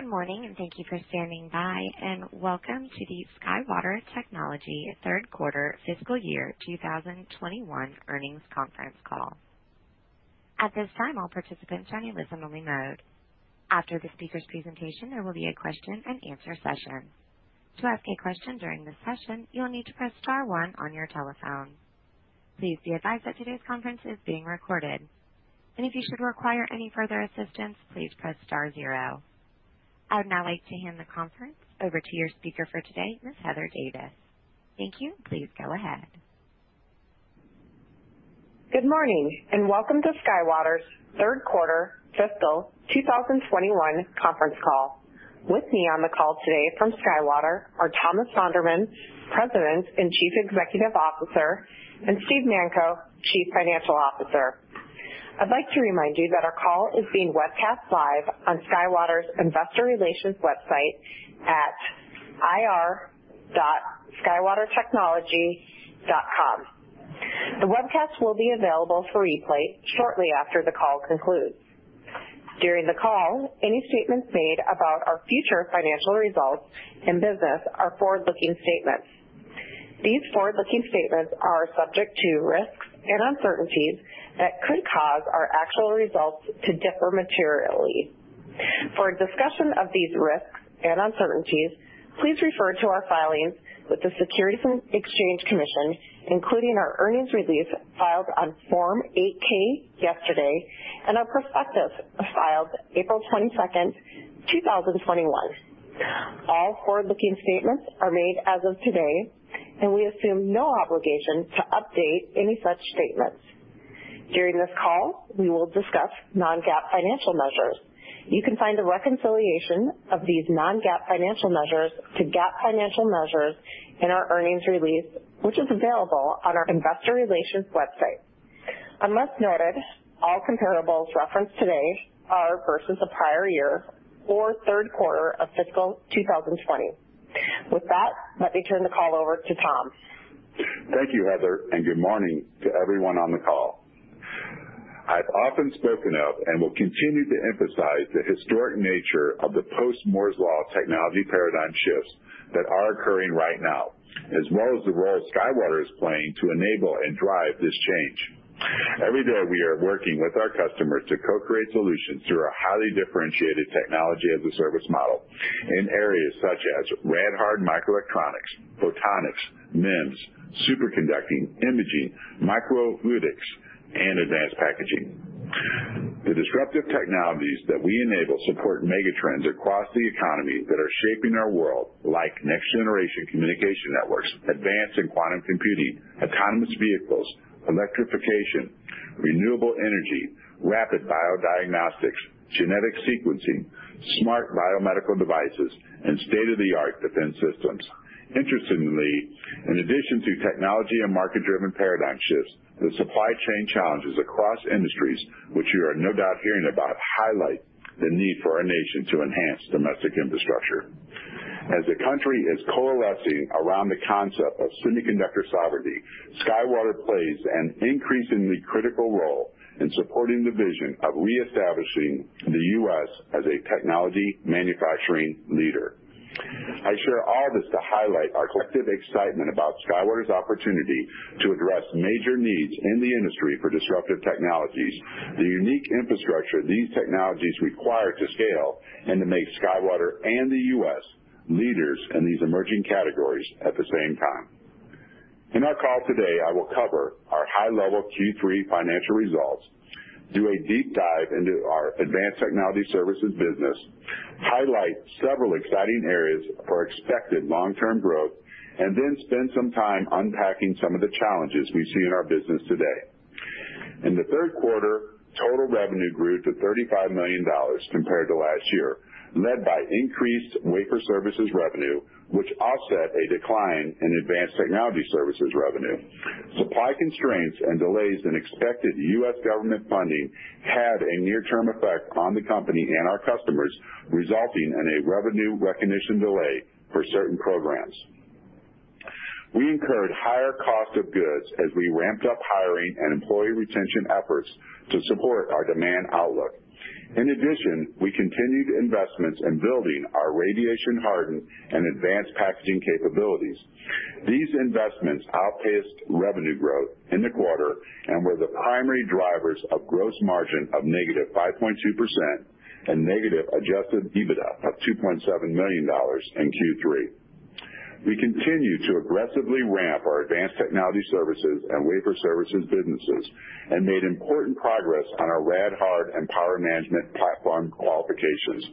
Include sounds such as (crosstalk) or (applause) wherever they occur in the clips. Good morning, and thank you for standing by, and welcome to the SkyWater Technology third quarter fiscal year 2021 earnings conference call. At this time, all participants are in a listen only mode. After the speaker's presentation, there will be a question-and-answer session. To ask a question during this session, you'll need to press star one on your telephone. Please be advised that today's conference is being recorded, and if you should require any further assistance, please press star zero. I would now like to hand the conference over to your speaker for today, Ms. Heather Davis. Thank you. Please go ahead. Good morning, and welcome to SkyWater's third quarter fiscal 2021 conference call. With me on the call today from SkyWater are Thomas Sonderman, President and Chief Executive Officer, and Steve Manko, Chief Financial Officer. I'd like to remind you that our call is being webcast live on SkyWater's Investor Relations website at ir.skywatertechnology.com. The webcast will be available for replay shortly after the call concludes. During the call, any statements made about our future financial results and business are forward-looking statements. These forward-looking statements are subject to risks and uncertainties that could cause our actual results to differ materially. For a discussion of these risks and uncertainties, please refer to our filings with the Securities and Exchange Commission, including our earnings release filed on Form 8-K yesterday and our perspective filed April 22nd, 2021. All forward-looking statements are made as of today, and we assume no obligation to update any such statements. During this call, we will discuss non-GAAP financial measures. You can find a reconciliation of these non-GAAP financial measures to GAAP financial measures in our earnings release, which is available on our investor relations website. Unless noted, all comparables referenced today are versus the prior year or third quarter of fiscal 2020. With that, let me turn the call over to Tom. Thank you, Heather, and good morning to everyone on the call. I've often spoken of and will continue to emphasize the historic nature of the post-Moore's Law technology paradigm shifts that are occurring right now, as well as the role SkyWater is playing to enable and drive this change. Every day, we are working with our customers to co-create solutions through our highly differentiated Technology as a Service model in areas such as rad-hard microelectronics, photonics, MEMS, superconducting, imaging, microfluidics, and advanced packaging. The disruptive technologies that we enable support megatrends across the economy that are shaping our world, like next-generation communication networks, advanced and quantum computing, autonomous vehicles, electrification, renewable energy, rapid bio diagnostics, genetic sequencing, smart biomedical devices, and state-of-the-art defense systems. Interestingly, in addition to technology and market-driven paradigm shifts, the supply chain challenges across industries, which you are no doubt hearing about, highlight the need for our nation to enhance domestic infrastructure. As the country is coalescing around the concept of semiconductor sovereignty, SkyWater plays an increasingly critical role in supporting the vision of reestablishing the U.S. as a technology manufacturing leader. I share all this to highlight our collective excitement about SkyWater's opportunity to address major needs in the industry for disruptive technologies, the unique infrastructure these technologies require to scale, and to make SkyWater and the U.S. leaders in these emerging categories at the same time. In our call today, I will cover our high-level Q3 financial results, do a deep dive into our Advanced Technology Services business, highlight several exciting areas for expected long-term growth, and then spend some time unpacking some of the challenges we see in our business today. In the third quarter, total revenue grew to $35 million compared to last year, led by increased Wafer Services revenue, which offset a decline in Advanced Technology Services revenue. Supply constraints and delays in expected U.S. government funding had a near-term effect on the company and our customers, resulting in a revenue recognition delay for certain programs. We incurred higher cost of goods as we ramped up hiring and employee retention efforts to support our demand outlook. In addition, we continued investments in building our radiation-hardened and advanced packaging capabilities. These investments outpaced revenue growth in the quarter and were the primary drivers of gross margin of -5.2% and negative adjusted EBITDA of $2.7 million in Q3. We continue to aggressively ramp our Advanced Technology Services and Wafer Services businesses and made important progress on our rad-hard and power management platform qualifications.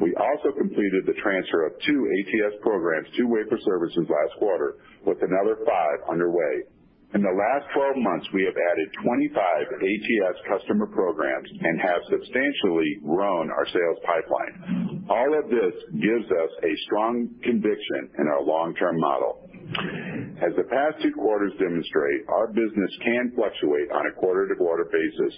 We also completed the transfer of two ATS programs two Wafer Services last quarter, with another five underway. In the last 12 months, we have added 25 ATS customer programs and have substantially grown our sales pipeline. All of this gives us a strong conviction in our long-term model. As the past two quarters demonstrate, our business can fluctuate on a quarter-to-quarter basis.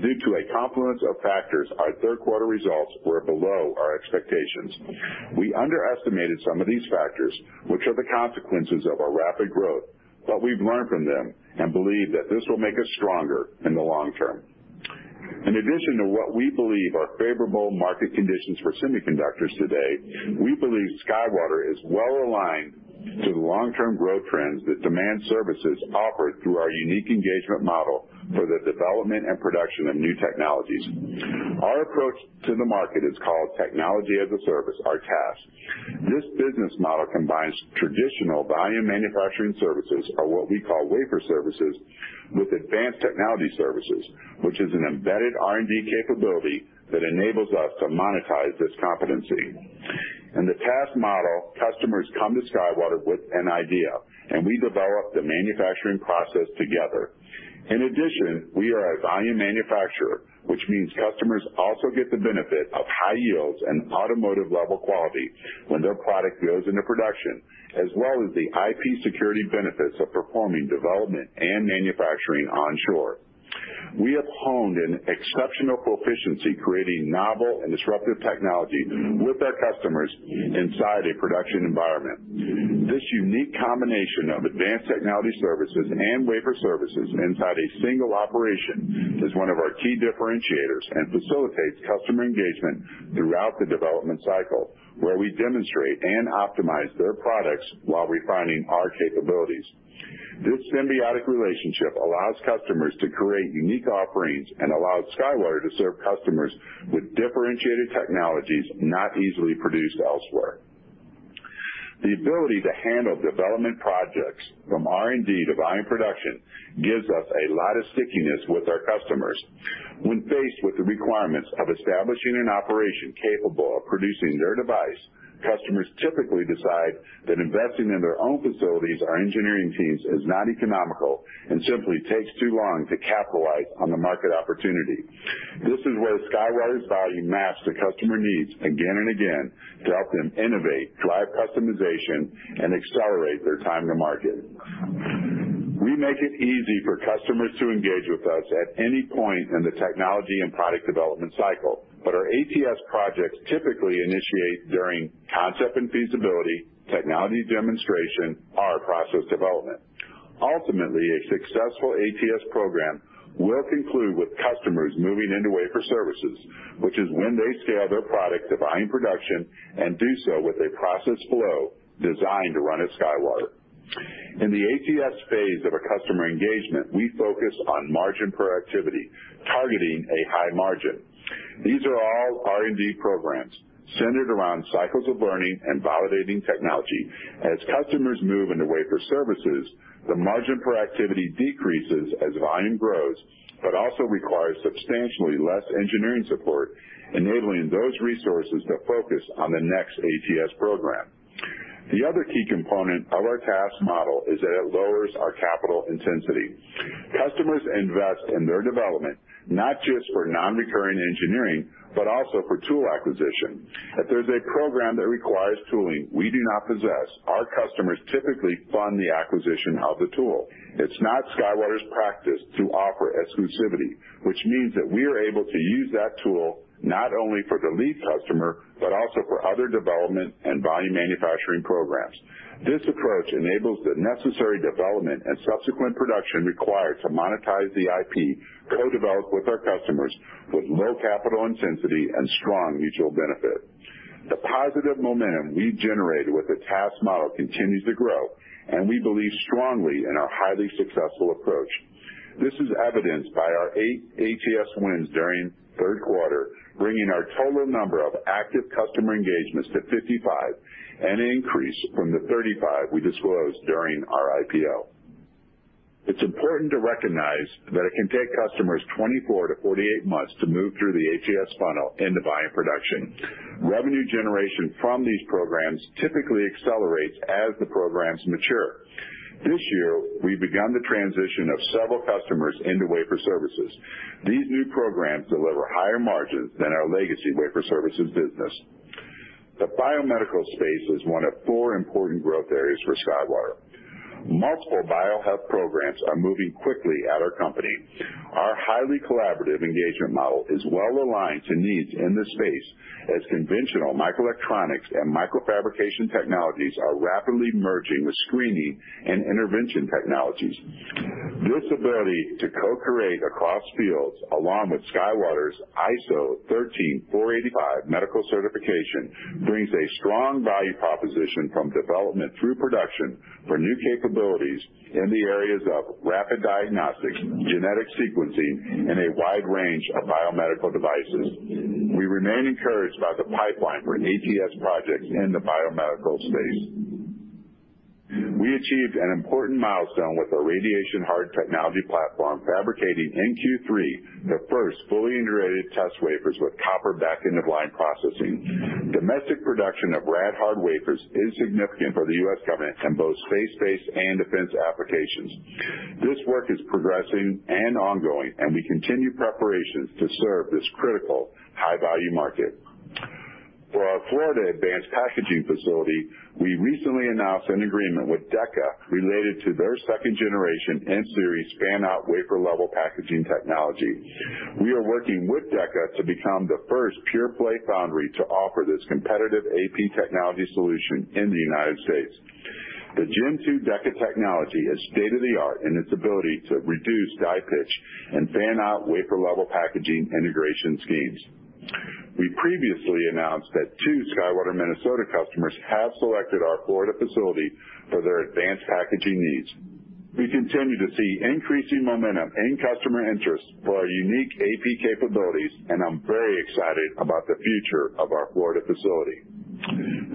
Due to a confluence of factors, our third quarter results were below our expectations. We underestimated some of these factors, which are the consequences of our rapid growth, but we've learned from them and believe that this will make us stronger in the long term. In addition to what we believe are favorable market conditions for semiconductors today, we believe SkyWater is well aligned to the long-term growth trends that demand services offered through our unique engagement model for the development and production of new technologies. Our approach to the market is called Technology as a Service or TaaS. This business model combines traditional volume manufacturing services, or what we call Wafer Services, with Advanced Technology Services, which is an embedded R&D capability that enables us to monetize this competency. In the TaaS model, customers come to SkyWater with an idea, and we develop the manufacturing process together. In addition, we are a volume manufacturer, which means customers also get the benefit of high yields and automotive level quality when their product goes into production, as well as the IP security benefits of performing development and manufacturing onshore. We have honed an exceptional proficiency creating novel and disruptive technology with our customers inside a production environment. This unique combination of Advanced Technology Services and Wafer Services inside a single operation is one of our key differentiators and facilitates customer engagement throughout the development cycle, where we demonstrate and optimize their products while refining our capabilities. This symbiotic relationship allows customers to create unique offerings and allows SkyWater to serve customers with differentiated technologies not easily produced elsewhere. The ability to handle development projects from R&D to volume production gives us a lot of stickiness with our customers. When faced with the requirements of establishing an operation capable of producing their device, customers typically decide that investing in their own facilities or engineering teams is not economical and simply takes too long to capitalize on the market opportunity. This is where SkyWater's value maps to customer needs again and again to help them innovate, drive customization, and accelerate their time to market. We make it easy for customers to engage with us at any point in the technology and product development cycle, but our ATS projects typically initiate during concept and feasibility, technology demonstration, or process development. Ultimately, a successful ATS program will conclude with customers moving into Wafer Services, which is when they scale their product to volume production and do so with a process flow designed to run at SkyWater. In the ATS phase of a customer engagement, we focus on margin productivity, targeting a high margin. These are all R&D programs centered around cycles of learning and validating technology. As customers move into Wafer Services, the margin per activity decreases as volume grows, but also requires substantially less engineering support, enabling those resources to focus on the next ATS program. The other key component of our TaaS model is that it lowers our capital intensity. Customers invest in their development not just for non-recurring engineering, but also for tool acquisition. If there's a program that requires tooling we do not possess, our customers typically fund the acquisition of the tool. It's not SkyWater's practice to offer exclusivity, which means that we are able to use that tool not only for the lead customer, but also for other development and volume manufacturing programs. This approach enables the necessary development and subsequent production required to monetize the IP co-developed with our customers with low capital intensity and strong mutual benefit. The positive momentum we've generated with the TaaS model continues to grow, and we believe strongly in our highly successful approach. This is evidenced by our eight ATS wins during third quarter, bringing our total number of active customer engagements to 55, an increase from the 35 we disclosed during our IPO. It's important to recognize that it can take customers 24-48 months to move through the ATS funnel into volume production. Revenue generation from these programs typically accelerates as the programs mature. This year, we've begun the transition of several customers into Wafer Services. These new programs deliver higher margins than our legacy Wafer Services business. The biomedical space is one of four important growth areas for SkyWater. Multiple bio health programs are moving quickly at our company. Our highly collaborative engagement model is well aligned to needs in this space as conventional microelectronics and microfabrication technologies are rapidly merging with screening and intervention technologies. This ability to co-create across fields, along with SkyWater's ISO 13485 medical certification, brings a strong value proposition from development through production for new capabilities in the areas of rapid diagnostics, genetic sequencing, and a wide range of biomedical devices. We remain encouraged by the pipeline for ATS projects in the biomedical space. We achieved an important milestone with our radiation-hard technology platform fabricating in Q3, the first fully integrated test wafers with copper back end of line processing. Domestic production of rad-hard wafers is significant for the U.S. government in both space-based and defense applications. This work is progressing and ongoing, and we continue preparations to serve this critical high-value market. For our Florida advanced packaging facility, we recently announced an agreement with Deca related to their second-generation M-series fan-out wafer-level packaging technology. We are working with Deca to become the first pure-play foundry to offer this competitive AP technology solution in the United States. The Gen 2 Deca technology is state-of-the-art in its ability to reduce die pitch and fan-out wafer-level packaging integration schemes. We previously announced that two SkyWater Minnesota customers have selected our Florida facility for their advanced packaging needs. We continue to see increasing momentum and customer interest for our unique AP capabilities, and I'm very excited about the future of our Florida facility.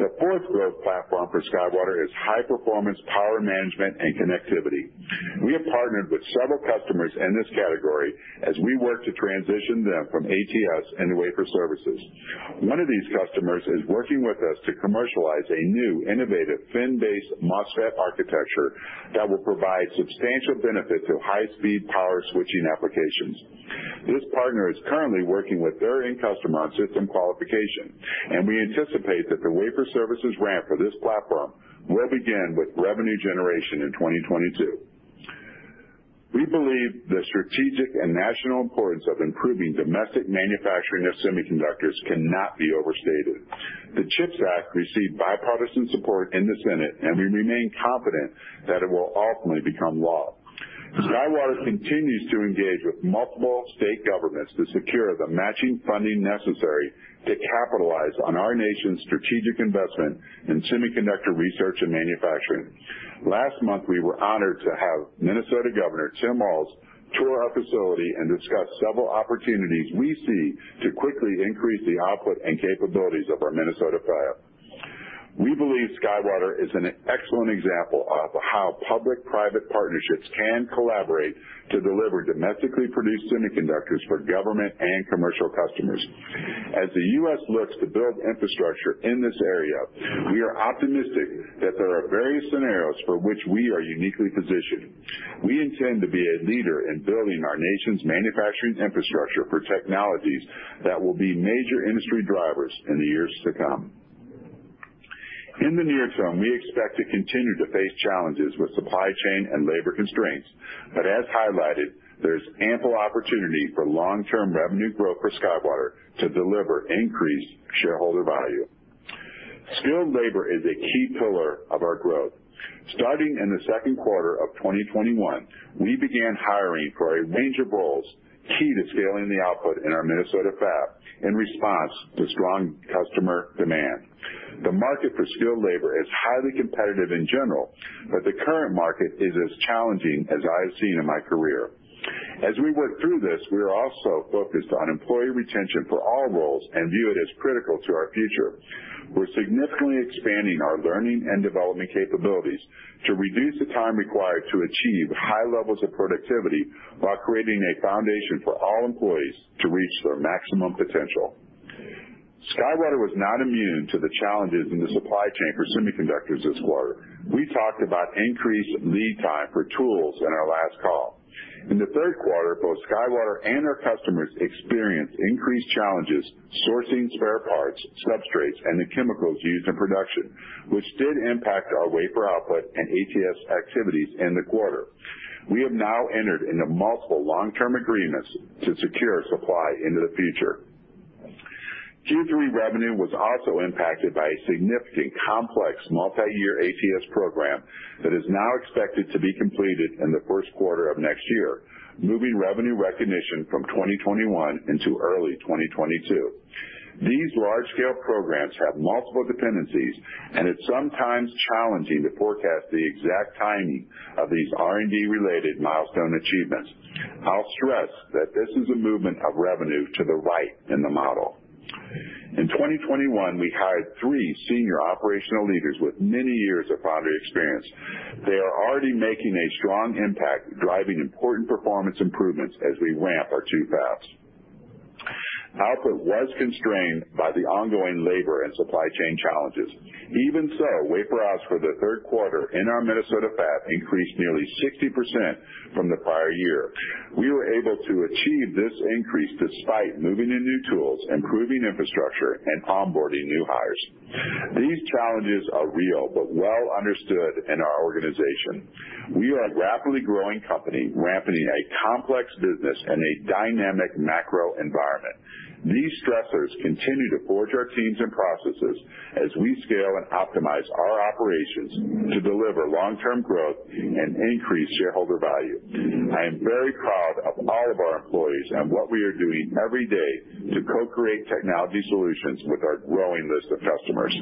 The fourth growth platform for SkyWater is high-performance power management and connectivity. We have partnered with several customers in this category as we work to transition them from ATS into Wafer Services. One of these customers is working with us to commercialize a new innovative fin-based MOSFET architecture that will provide substantial benefit to high-speed power switching applications. This partner is currently working with their end customer on system qualification, and we anticipate that the Wafer Services ramp for this platform will begin with revenue generation in 2022. We believe the strategic and national importance of improving domestic manufacturing of semiconductors cannot be overstated. The CHIPS Act received bipartisan support in the Senate, and we remain confident that it will ultimately become law. SkyWater continues to engage with multiple state governments to secure the matching funding necessary to capitalize on our nation's strategic investment in semiconductor research and manufacturing. Last month, we were honored to have Minnesota Governor Tim Walz tour our facility and discuss several opportunities we see to quickly increase the output and capabilities of our Minnesota fab. We believe SkyWater is an excellent example of how public-private partnerships can collaborate to deliver domestically produced semiconductors for government and commercial customers. As the U.S. looks to build infrastructure in this area, we are optimistic that there are various scenarios for which we are uniquely positioned. We intend to be a leader in building our nation's manufacturing infrastructure for technologies that will be major industry drivers in the years to come. In the near term, we expect to continue to face challenges with supply chain and labor constraints. As highlighted, there's ample opportunity for long-term revenue growth for SkyWater to deliver increased shareholder value. Skilled labor is a key pillar of our growth. Starting in the second quarter of 2021, we began hiring for a range of roles key to scaling the output in our Minnesota fab in response to strong customer demand. The market for skilled labor is highly competitive in general, but the current market is as challenging as I have seen in my career. As we work through this, we are also focused on employee retention for all roles and view it as critical to our future. We're significantly expanding our learning and development capabilities to reduce the time required to achieve high levels of productivity while creating a foundation for all employees to reach their maximum potential. SkyWater was not immune to the challenges in the supply chain for semiconductors this quarter. We talked about increased lead time for tools in our last call. In the third quarter, both SkyWater and our customers experienced increased challenges sourcing spare parts, substrates, and the chemicals used in production, which did impact our wafer output and ATS activities in the quarter. We have now entered into multiple long-term agreements to secure supply into the future. Q3 revenue was also impacted by a significant complex multi-year ATS program that is now expected to be completed in the first quarter of next year, moving revenue recognition from 2021 into early 2022. These large-scale programs have multiple dependencies, and it's sometimes challenging to forecast the exact timing of these R&D-related milestone achievements. I'll stress that this is a movement of revenue to the right in the model. In 2021, we hired three senior operational leaders with many years of foundry experience. They are already making a strong impact, driving important performance improvements as we ramp our two fabs. Output was constrained by the ongoing labor and supply chain challenges. Even so, wafer outs for the third quarter in our Minnesota fab increased nearly 60% from the prior year. We were able to achieve this increase despite moving in new tools, improving infrastructure, and onboarding new hires. These challenges are real but well understood in our organization. We are a rapidly growing company, ramping a complex business in a dynamic macro environment. These stressors continue to forge our teams and processes as we scale and optimize our operations to deliver long-term growth and increase shareholder value. I am very proud of all of our employees and what we are doing every day to co-create technology solutions with our growing list of customers.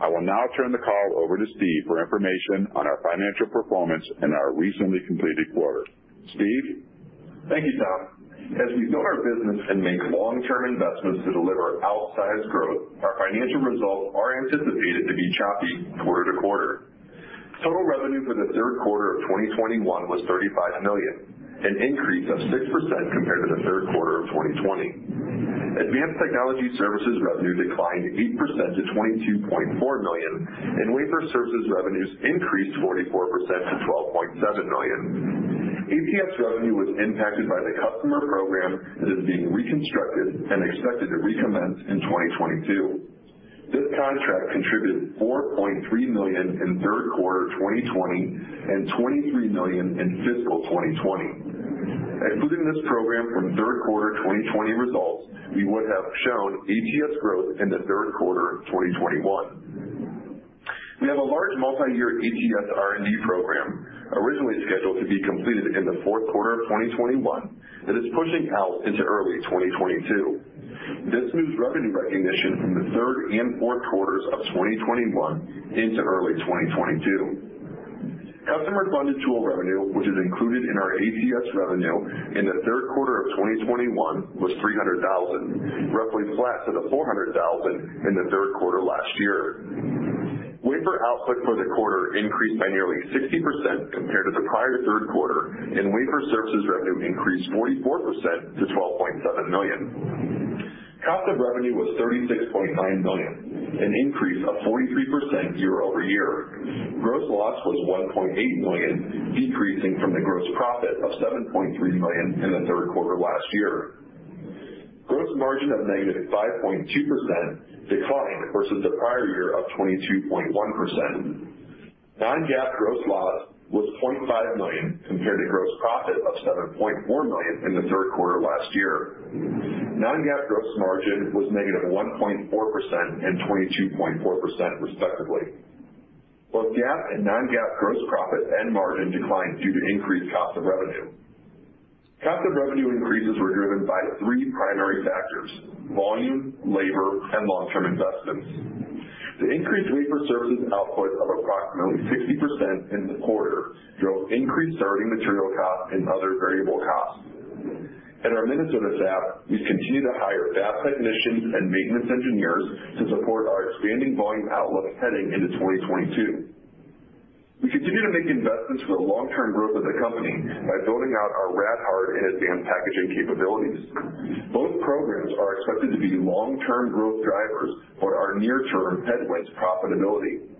I will now turn the call over to Steve for information on our financial performance in our recently completed quarter. Steve? Thank you, Tom. As we build our business and make long-term investments to deliver outsized growth, our financial results are anticipated to be choppy quarter-to-quarter. Total revenue for the third quarter of 2021 was $35 million, an increase of 6% compared to the third quarter of 2020. Advanced Technology Services revenue declined 8% to $22.4 million, and Wafer Services revenues increased 44% to $12.7 million. ATS revenue was impacted by the customer program that is being reconstructed and expected to recommence in 2022. This contract contributed $4.3 million in third quarter 2020 and $23 million in fiscal 2020. Excluding this program from third quarter 2020 results, we would have shown ATS growth in the third quarter of 2021. We have a large multi-year ATS R&D program originally scheduled to be completed in the fourth quarter of 2021 that is pushing out into early 2022. This moves revenue recognition from the third and fourth quarters of 2021 into early 2022. Customer funded tool revenue, which is included in our ATS revenue in the third quarter of 2021, was $300,000, roughly flat to the $400,000 in the third quarter last year. Wafer output for the quarter increased by nearly 60% compared to the prior third quarter, and Wafer Services revenue increased 44% to $12.7 million. Cost of revenue was $36.9 million, an increase of 43% year-over-year. Gross loss was $1.8 million, decreasing from the gross profit of $7.3 million in the third quarter last year. Gross margin of -5.2% declined versus the prior year of 22.1%. Non-GAAP gross loss was $0.5 million compared to gross profit of $7.4 million in the third quarter last year. Non-GAAP gross margin was -1.4% and 22.4% respectively. Both GAAP and non-GAAP gross profit and margin declined due to increased cost of revenue. Cost of revenue increases were driven by three primary factors: volume, labor, and long-term investments. The increased Wafer Services output of approximately 60% in the quarter drove increased serving material costs and other variable costs. At our Minnesota fab, we've continued to hire fab technicians and maintenance engineers to support our expanding volume outlook heading into 2022. We continue to make investments for the long-term growth of the company by building out our rad-hard and advanced packaging capabilities. Both programs are expected to be long-term growth drivers but are near-term headwinds to profitability.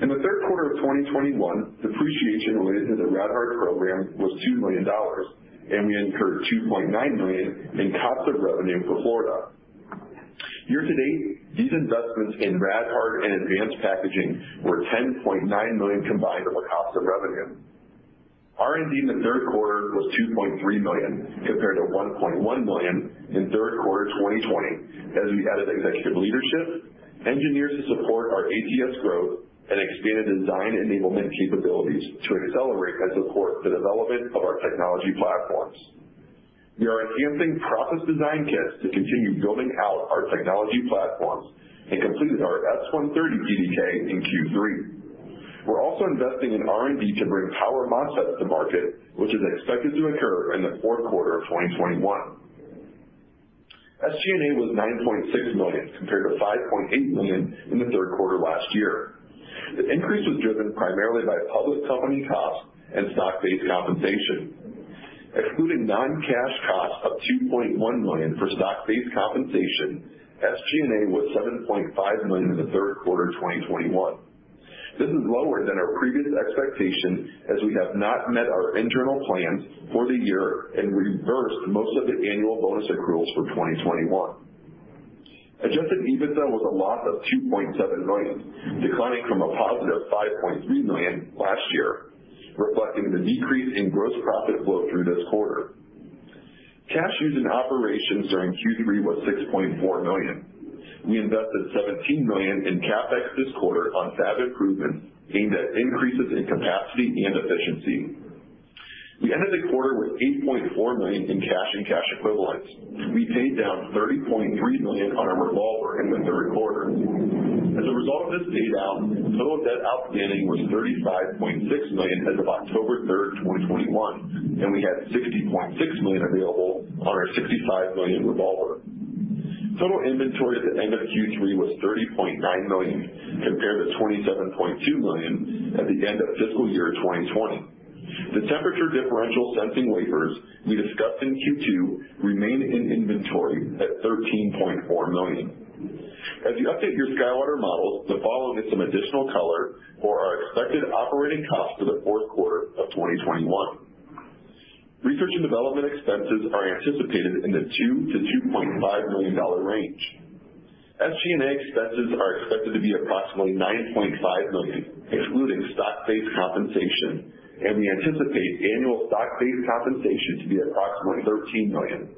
In the third quarter of 2021, depreciation related to the rad-hard program was $2 million, and we incurred $2.9 million in cost of revenue for Florida. Year-to-date, these investments in rad-hard and advanced packaging were $10.9 million combined in cost of revenue. R&D in the third quarter was $2.3 million compared to $1.1 million in third quarter 2020, as we added executive leadership, engineers to support our ATS growth, and expanded design enablement capabilities to accelerate and support the development of our technology platforms. We are enhancing process design kits to continue building out our technology platforms and completed our S130 PDK in Q3. We're also investing in R&D to bring power MOSFET to market, which is expected to occur in the fourth quarter of 2021. SG&A was $9.6 million compared to $5.8 million in the third quarter last year. The increase was driven primarily by public company costs and stock-based compensation. Excluding non-cash costs of $2.1 million for stock-based compensation, SG&A was $7.5 million in the third quarter of 2021. This is lower than our previous expectation as we have not met our internal plans for the year and reversed most of the annual bonus accruals for 2021. Adjusted EBITDA was a loss of $2.7 million, declining from a positive $5.3 million last year, reflecting the decrease in gross profit flow through this quarter. Cash used in operations during Q3 was $6.4 million. We invested $17 million in CapEx this quarter on fab improvements aimed at increases in capacity and efficiency. We ended the quarter with $8.4 million in cash and cash equivalents. We paid down $30.3 million on our revolver in the third quarter. As a result of this pay down, total debt outstanding was $35.6 million as of October 3rd, 2021, and we had $60.6 million available on our $65 million revolver. Total inventory at the end of Q3 was $30.9 million compared to $27.2 million at the end of fiscal year 2020. The temperature differential sensing wafers we discussed in Q2 remain in inventory at $13.4 million. As you update your SkyWater models, the following is some additional color for our expected operating costs for the fourth quarter of 2021. Research and development expenses are anticipated in the $2-$2.5 million range. SG&A expenses are expected to be approximately $9.5 million, including stock-based compensation, and we anticipate annual stock-based compensation to be approximately $13 million.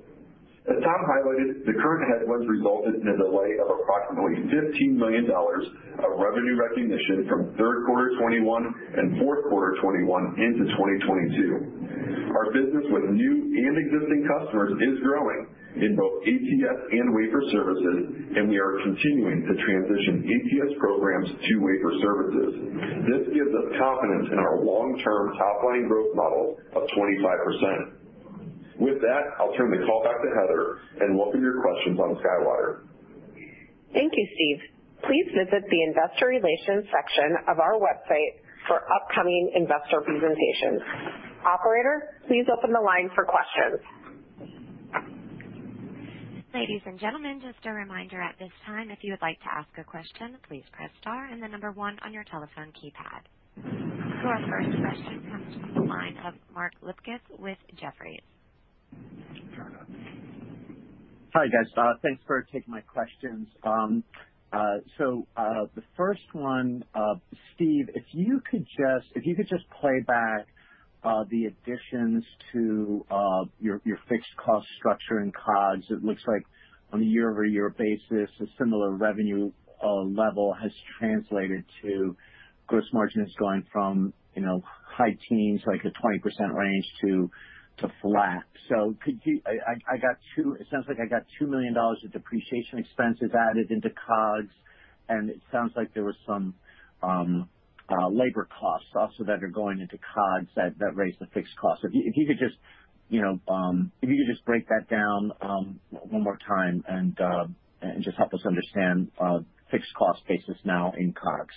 As Tom highlighted, the current headwinds resulted in the delay of approximately $15 million of revenue recognition from third quarter 2021 and fourth quarter 2021 into 2022. Our business with new and existing customers is growing in both ATS and Wafer Services, and we are continuing to transition ATS programs to Wafer Services. This gives us confidence in our long-term top line growth model of 25%. With that, I'll turn the call back to Heather, and we'll hear your questions on SkyWater. Thank you, Steve. Please visit the Investor Relations section of our website for upcoming investor presentations. Operator, please open the line for questions. Ladies and gentlemen, just a reminder at this time, if you would like to ask a question, please press star and the number one on your telephone keypad. Your first question comes from the line of Mark Lipacis with Jefferies. Hi, guys. Thanks for taking my questions. So, the first one, Steve, if you could just play back the additions to your fixed cost structure and COGS. It looks like on a year-over-year basis, a similar revenue level has translated to gross margins going from, you know, high teens, like a 20% range to flat. So could you. It sounds like I got $2 million of depreciation expenses added into COGS, and it sounds like there was some labor costs also that are going into COGS that raise the fixed cost. If you could just, you know, break that down one more time and just help us understand fixed cost basis now in COGS.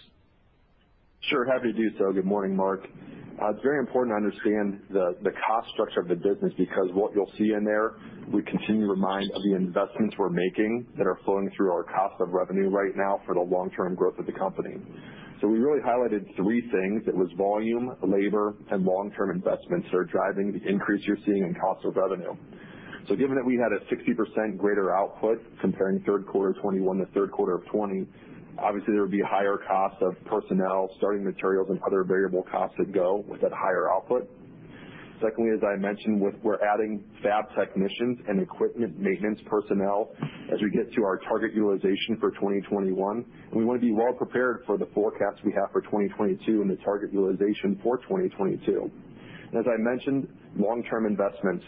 Sure. Happy to do so. Good morning, Mark. It's very important to understand the cost structure of the business because what you'll see in there, we continue to remind of the investments we're making that are flowing through our cost of revenue right now for the long-term growth of the company. We really highlighted three things. It was volume, labor, and long-term investments that are driving the increase you're seeing in cost of revenue. Given that we had a 60% greater output comparing third quarter 2021 to third quarter of 2020, obviously there would be higher costs of personnel, starting materials, and other variable costs that go with that higher output. Secondly, as I mentioned, we're adding fab technicians and equipment maintenance personnel as we get to our target utilization for 2021, and we wanna be well prepared for the forecasts we have for 2022 and the target utilization for 2022. As I mentioned, long-term investments.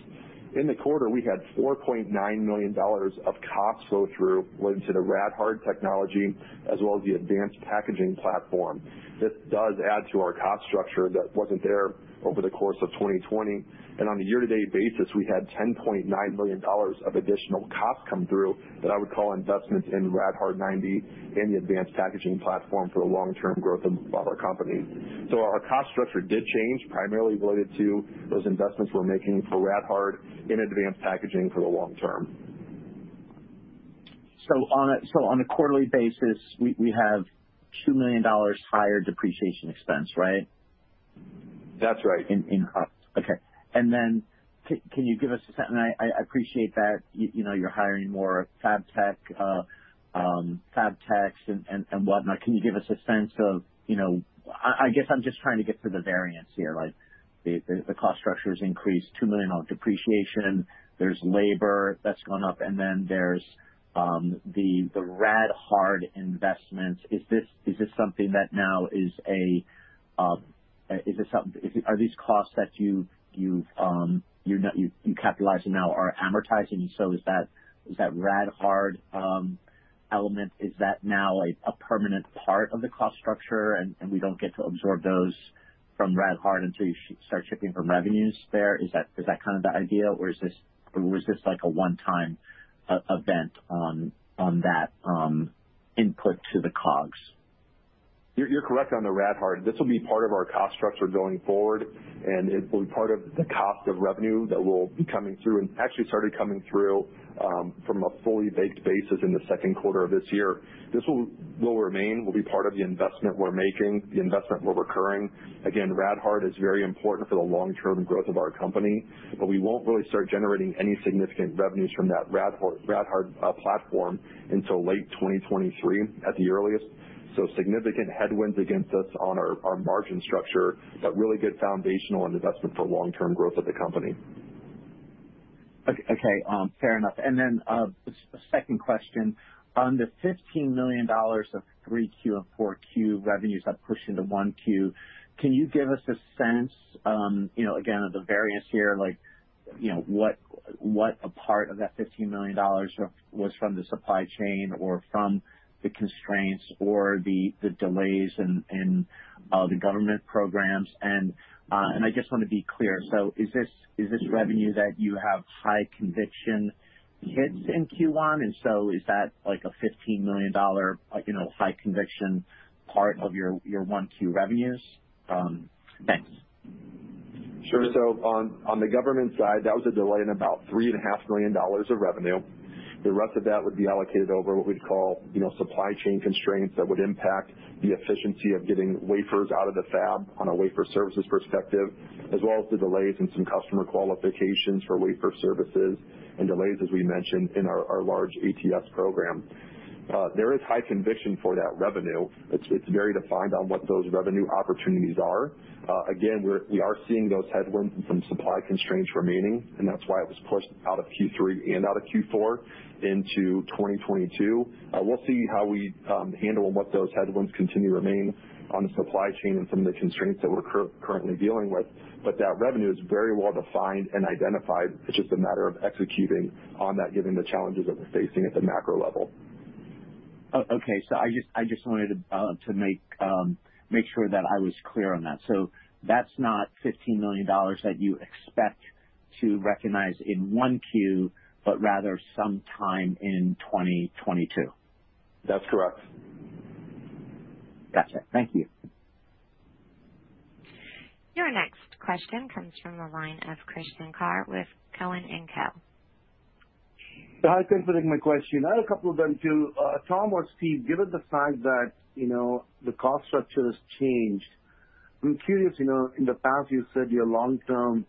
In the quarter, we had $4.9 million of costs go through related to the rad-hard technology as well as the advanced packaging platform. This does add to our cost structure that wasn't there over the course of 2020. On a year-to-date basis, we had $10.9 million of additional costs come through that I would call investments in rad-hard 90 and the advanced packaging platform for the long-term growth of our company. Our cost structure did change primarily related to those investments we're making for rad-hard in advanced packaging for the long term. On a quarterly basis, we have $2 million higher depreciation expense, right? That's right. In COGS. Okay. Then can you give us a sense of, you know, I appreciate that you know, you're hiring more fab techs and whatnot. Can you give us a sense of, you know. I guess I'm just trying to get to the variance here, like the cost structure has increased $2 million on depreciation. There's labor that's gone up, and then there's the rad-hard investments. Is this something that now is a something. Is it are these costs that you capitalize and now are amortizing? So is that rad-hard element, is that now a permanent part of the cost structure, and we don't get to absorb those from rad-hard until you start shipping from revenues there? Is that kind of the idea, or was this like a one-time event on that input to the COGS? You're correct on the rad-hard. This will be part of our cost structure going forward, and it will be part of the cost of revenue that will be coming through and actually started coming through from a fully baked basis in the second quarter of this year. This will remain part of the investment we're making, the investment we're recurring. Again, rad-hard is very important for the long-term growth of our company, but we won't really start generating any significant revenues from that rad-hard platform until late 2023 at the earliest, so significant headwinds against us on our margin structure, but really good foundational investment for long-term growth of the company. Okay. Fair enough. Second question, on the $15 million of 3Q and 4Q revenues that pushed into 1Q, can you give us a sense, you know, again, of the variance here, like, you know, what part of that $15 million was from the supply chain or from the constraints or the delays in the government programs. I just wanna be clear, so is this revenue that you have high conviction hits in Q1, and so is that like a $15 million, like, you know, high conviction part of your 1Q revenues? Thanks. Sure. On the government side, that was a delay in about $3.5 million of revenue. The rest of that would be allocated over what we'd call supply chain constraints that would impact the efficiency of getting wafers out of the fab on a Wafer Services perspective, as well as the delays in some customer qualifications for Wafer Services and delays, as we mentioned in our large ATS program. There is high conviction for that revenue. It's very defined on what those revenue opportunities are. Again, we are seeing those headwinds from supply constraints remaining, and that's why it was pushed out of Q3 and out of Q4 into 2022. We'll see how we handle and what those headwinds continue to remain on the supply chain and some of the constraints that we're currently dealing with. That revenue is very well defined and identified. It's just a matter of executing on that given the challenges that we're facing at the macro level. Okay. I just wanted to make sure that I was clear on that. That's not $15 million that you expect to recognize in 1Q, but rather some time in 2022. That's correct. Gotcha. Thank you. Your next question comes from the line of Krish Sankar with Cowen and Co. Hi, thanks for taking my question. I had a couple of them too. Tom or Steve, given the fact that, you know, the cost structure has changed, I'm curious, you know, in the past, you said your long-term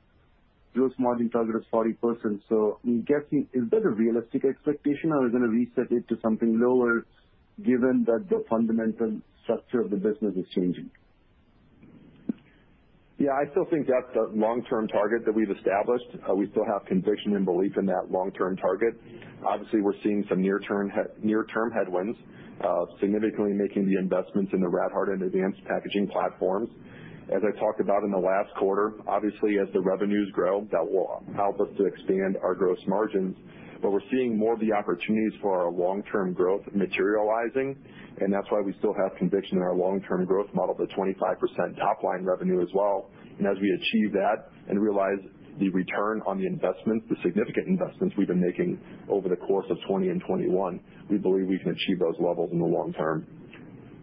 gross margin target is 40%, so I'm guessing, is that a realistic expectation or are we gonna reset it to something lower given that the fundamental structure of the business is changing? Yeah, I still think that's the long-term target that we've established. We still have conviction and belief in that long-term target. Obviously, we're seeing some near-term headwinds, significantly making the investments in the rad-hard and advanced packaging platforms. As I talked about in the last quarter, obviously, as the revenues grow, that will help us to expand our gross margins. We're seeing more of the opportunities for our long-term growth materializing, and that's why we still have conviction in our long-term growth model to 25% top line revenue as well. As we achieve that and realize the return on the investment, the significant investments we've been making over the course of 2020 and 2021, we believe we can achieve those levels in the long term.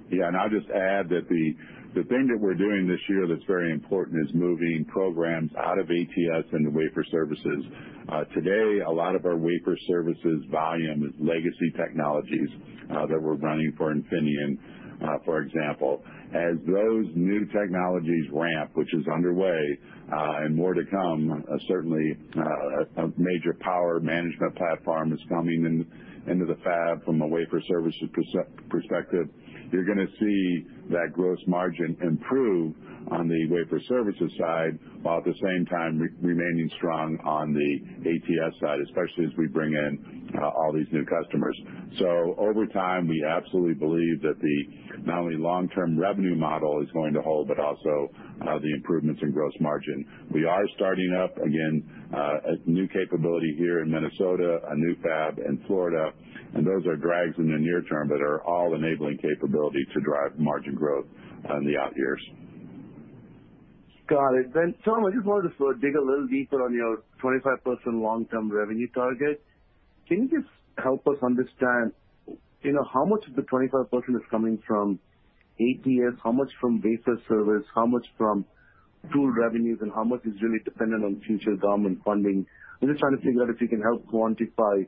Yeah, I'll just add that the thing that we're doing this year that's very important is moving programs out of ATS into Wafer Services. Today a lot of our Wafer Services volume is legacy technologies that we're running for Infineon, for example. As those new technologies ramp, which is underway, and more to come, certainly a major power management platform is coming in, into the fab from a Wafer Services perspective. You're gonna see that gross margin improve on the Wafer Services side, while at the same time remaining strong on the ATS side, especially as we bring in all these new customers. Over time, we absolutely believe that the not only long-term revenue model is going to hold, but also the improvements in gross margin. We are starting up, again, a new capability here in Minnesota, a new fab in Florida, and those are drags in the near term, but are all enabling capability to drive margin growth in the out years. Got it. Tom, I just wanted to sort of dig a little deeper on your 25% long-term revenue target. Can you just help us understand, you know, how much of the 25% is coming from ATS, how much from Wafer Services, how much from tool revenues, and how much is really dependent on future government funding? I'm just trying to figure out if you can help quantify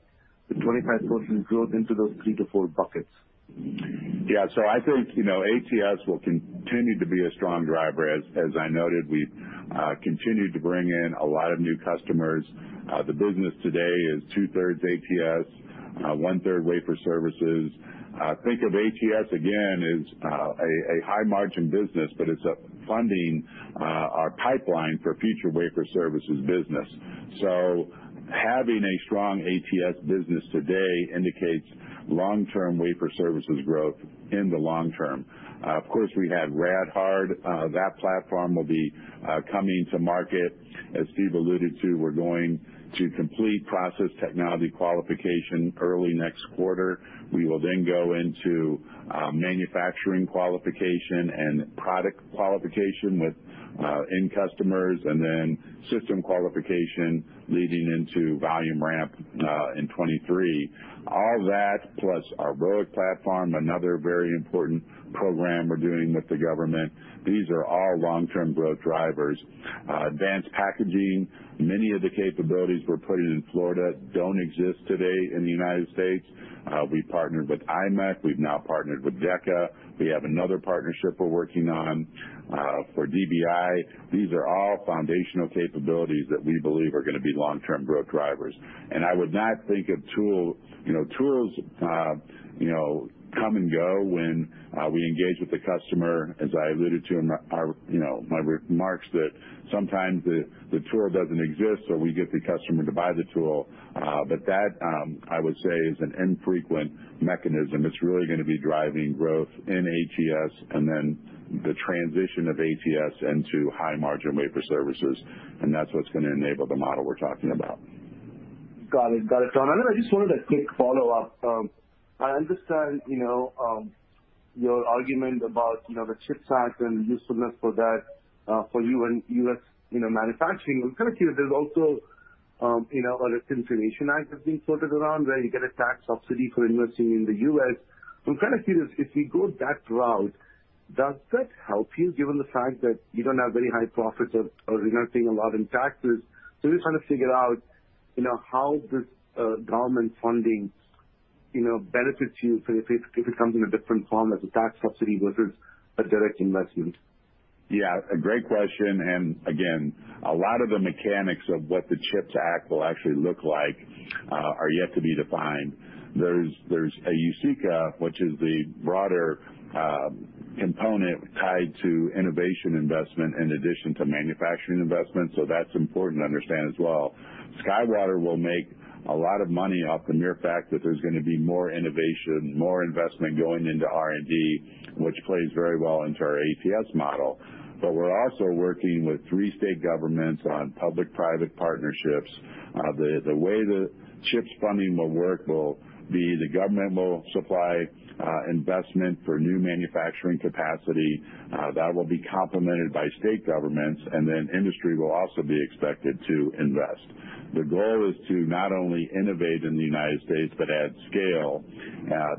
the 25% growth into those three to four buckets. Yeah. I think, you know, ATS will continue to be a strong driver. As I noted, we've continued to bring in a lot of new customers. The business today is 2/3 ATS, 1/3 Wafer Services. Think of ATS again as a high-margin business, but it's funding our pipeline for future Wafer Services business. Having a strong ATS business today indicates long-term Wafer Services growth in the long term. Of course, we have rad-hard. That platform will be coming to market. As Steve alluded to, we're going to complete process technology qualification early next quarter. We will then go into manufacturing qualification and product qualification with end customers, and then system qualification leading into volume ramp in 2023. All that plus our ROIC platform, another very important program we're doing with the government. These are all long-term growth drivers. Advanced packaging, many of the capabilities we're putting in Florida don't exist today in the United States. We partnered with imec. We've now partnered with Deca. We have another partnership we're working on for DBI. These are all foundational capabilities that we believe are gonna be long-term growth drivers. I would not think of tools. You know, tools, you know, come and go when we engage with the customer, as I alluded to in my remarks that sometimes the tool doesn't exist, so we get the customer to buy the tool. That I would say is an infrequent mechanism. It's really gonna be driving growth in ATS and then the transition of ATS into high-margin Wafer Services, and that's what's gonna enable the model we're talking about. Got it, Tom. I just wanted a quick follow-up. I understand, you know, your argument about, you know, the CHIPS Act and the usefulness for that, for you and U.S., you know, manufacturing. I'm kind of curious. There's also, you know, (audio distortion) Act that's being floated around where you get a tax subsidy for investing in the U.S. I'm kind of curious, if we go that route, does that help you given the fact that you don't have very high profits or you're not paying a lot in taxes. I'm just trying to figure out, you know, how this government funding, you know, benefits you if it comes in a different form as a tax subsidy versus a direct investment. Yeah, a great question. Again, a lot of the mechanics of what the CHIPS Act will actually look like are yet to be defined. There's a USICA, which is the broader component tied to innovation investment in addition to manufacturing investment, so that's important to understand as well. SkyWater will make a lot of money off the mere fact that there's gonna be more innovation, more investment going into R&D, which plays very well into our ATS model. But we're also working with three state governments on public-private partnerships. The way the CHIPS funding will work will be the government will supply investment for new manufacturing capacity that will be complemented by state governments, and then industry will also be expected to invest. The goal is to not only innovate in the United States but add scale.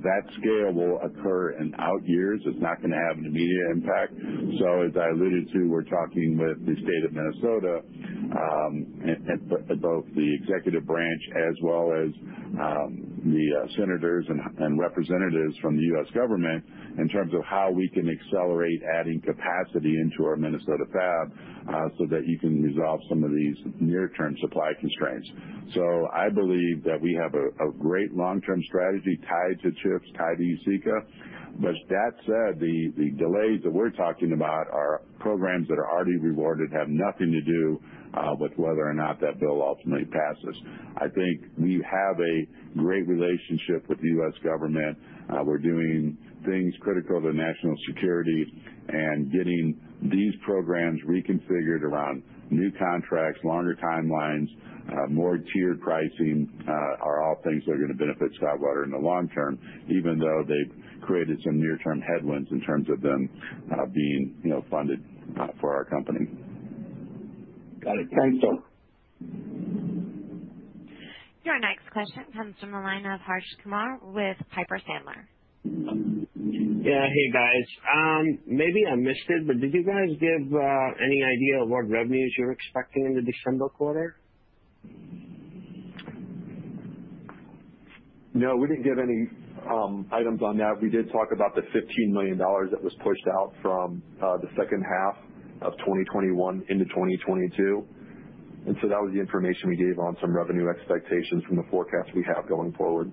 That scale will occur in out years. It's not gonna have an immediate impact. As I alluded to, we're talking with the State of Minnesota. At both the executive branch as well as the senators and representatives from the U.S. government in terms of how we can accelerate adding capacity into our Minnesota fab so that you can resolve some of these near-term supply constraints. I believe that we have a great long-term strategy tied to CHIPS, tied to USICA. That said, the delays that we're talking about are programs that are already awarded, have nothing to do with whether or not that bill ultimately passes. I think we have a great relationship with the U.S. government. We're doing things critical to national security and getting these programs reconfigured around new contracts, longer timelines, more tiered pricing, are all things that are gonna benefit SkyWater in the long term, even though they've created some near-term headwinds in terms of them being, you know, funded for our company. Got it. Thanks, though. Your next question comes from the line of Harsh Kumar with Piper Sandler. Yeah. Hey, guys. Maybe I missed it, but did you guys give any idea of what revenues you're expecting in the December quarter? No, we didn't give any items on that. We did talk about the $15 million that was pushed out from the second half of 2021 into 2022, and so that was the information we gave on some revenue expectations from the forecast we have going forward.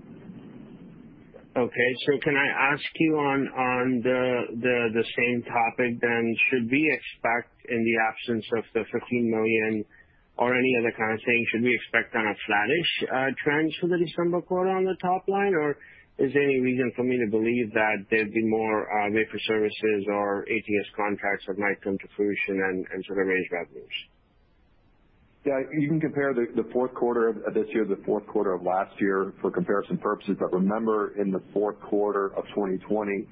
Okay. Can I ask you on the same topic then, should we expect in the absence of the $15 million or any other kind of thing, should we expect on a flattish trends for the December quarter on the top line, or is there any reason for me to believe that there'd be more wafer services or ATS contracts that might come to fruition and sort of range revenues? Yeah. You can compare the fourth quarter of this year to the fourth quarter of last year for comparison purposes. Remember, in the fourth quarter of 2020,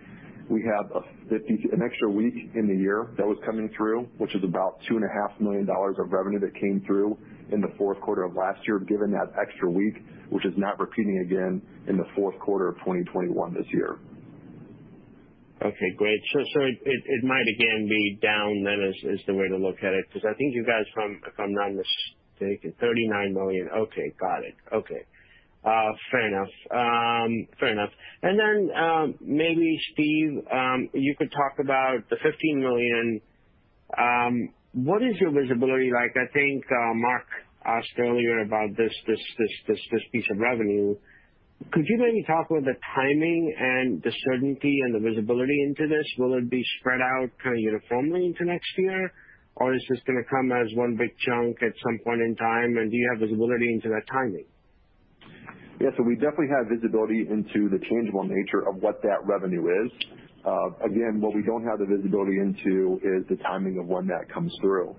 we had an extra week in the year that was coming through, which is about $2.5 million of revenue that came through in the fourth quarter of last year, given that extra week, which is not repeating again in the fourth quarter of 2021 this year. Okay, great. It might again be down then is the way to look at it, 'cause I think you guys from, if I'm not mistaken, $39 million. Okay, got it. Okay. Fair enough. Fair enough. Maybe Steve, you could talk about the $15 million. What is your visibility like? I think Mark asked earlier about this piece of revenue. Could you maybe talk about the timing and the certainty and the visibility into this? Will it be spread out kinda uniformly into next year, or is this gonna come as one big chunk at some point in time, and do you have visibility into that timing? Yeah. We definitely have visibility into the changeable nature of what that revenue is. Again, what we don't have the visibility into is the timing of when that comes through.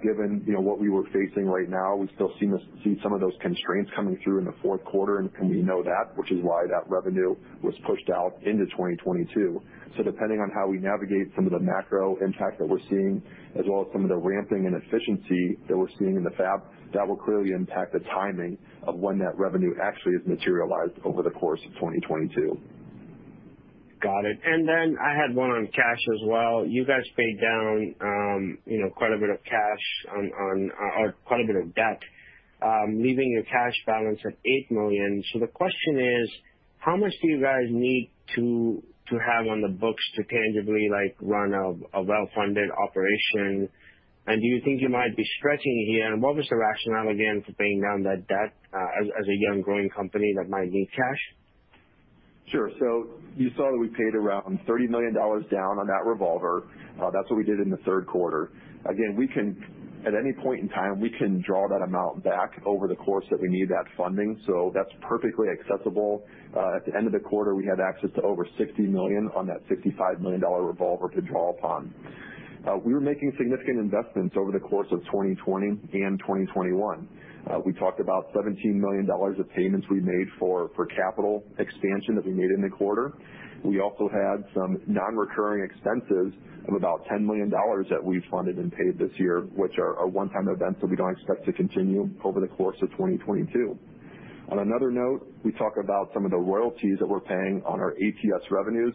Given, you know, what we were facing right now, we still see some of those constraints coming through in the fourth quarter, and we know that, which is why that revenue was pushed out into 2022. Depending on how we navigate some of the macro impact that we're seeing, as well as some of the ramping and efficiency that we're seeing in the fab, that will clearly impact the timing of when that revenue actually is materialized over the course of 2022. Got it. Then I had one on cash as well. You guys paid down, you know, quite a bit of debt, leaving your cash balance of $8 million. The question is: How much do you guys need to have on the books to tangibly like run a well-funded operation, and do you think you might be stretching it here, and what was the rationale again for paying down that debt, as a young growing company that might need cash? Sure. You saw that we paid around $30 million down on that revolver. That's what we did in the third quarter. Again, we can at any point in time draw that amount back over the course that we need that funding, so that's perfectly accessible. At the end of the quarter, we had access to over $60 million on that $65 million revolver to draw upon. We were making significant investments over the course of 2020 and 2021. We talked about $17 million of payments we made for capital expansion that we made in the quarter. We also had some non-recurring expenses of about $10 million that we funded and paid this year, which are a one-time event, so we don't expect to continue over the course of 2022. On another note, we talk about some of the royalties that we're paying on our ATS revenues.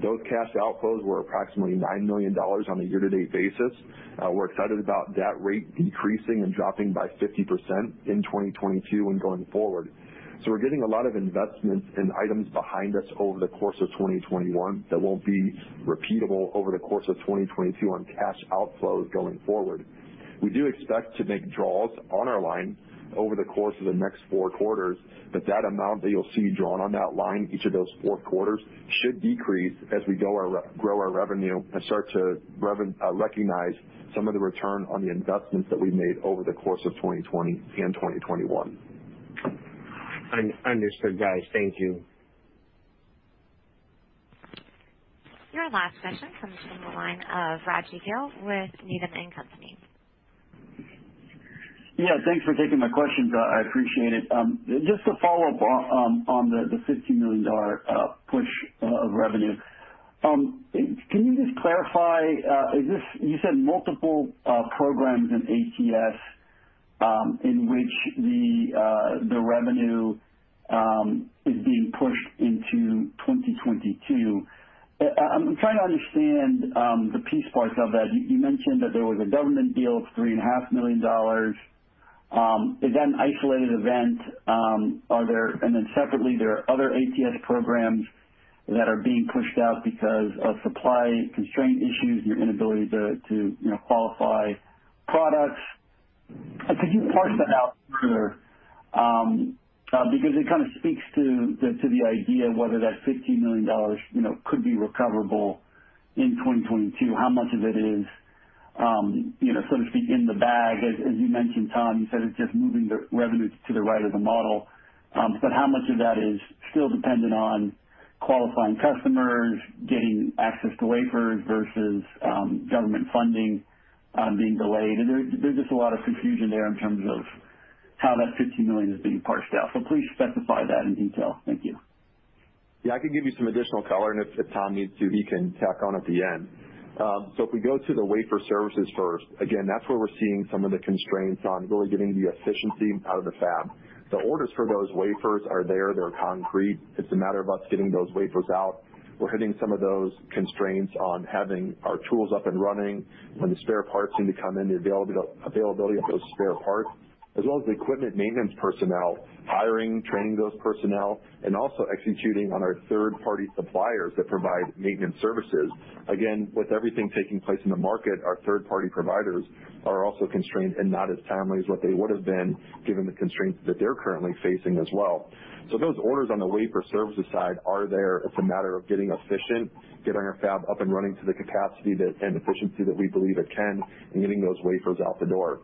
Those cash outflows were approximately $9 million on a year-to-date basis. We're excited about that rate decreasing and dropping by 50% in 2022 when going forward. We're getting a lot of investments in items behind us over the course of 2021 that won't be repeatable over the course of 2022 on cash outflows going forward. We do expect to make draws on our line over the course of the next four quarters, but that amount that you'll see drawn on that line each of those four quarters should decrease as we grow our revenue and start to recognize some of the return on the investments that we made over the course of 2020 and 2021. Understood, guys. Thank you. Your last question comes from the line of Raji Gill with Needham & Company. Yeah. Thanks for taking my questions. I appreciate it. Just to follow up on the $50 million push of revenue. Can you just clarify? You said multiple programs in ATS in which the revenue is being pushed into 2022. I'm trying to understand the piece parts of that. You mentioned that there was a government deal of $3.5 million. Is that an isolated event? Separately, there are other ATS programs that are being pushed out because of supply constraint issues and your inability to you know, qualify products. Could you parse that out clearer? Because it kind of speaks to the idea of whether that $15 million you know, could be recoverable in 2022. How much of it is, you know, so to speak, in the bag, as you mentioned, Tom, you said it's just moving the revenue to the right of the model. But how much of that is still dependent on qualifying customers, getting access to wafers versus government funding being delayed? There's just a lot of confusion there in terms of how that $15 million is being parsed out. Please specify that in detail. Thank you. Yeah, I can give you some additional color, and if Tom needs to, he can tack on at the end. If we go to the Wafer Services first, again, that's where we're seeing some of the constraints on really getting the efficiency out of the fab. The orders for those wafers are there, they're concrete. It's a matter of us getting those wafers out. We're hitting some of those constraints on having our tools up and running, when the spare parts need to come in, the availability of those spare parts, as well as the equipment maintenance personnel, hiring, training those personnel, and also executing on our third-party suppliers that provide maintenance services. Again, with everything taking place in the market, our third-party providers are also constrained and not as timely as what they would have been, given the constraints that they're currently facing as well. Those orders on the Wafer Services side are there. It's a matter of getting efficient, getting our fab up and running to the capacity that and efficiency that we believe it can, and getting those wafers out the door.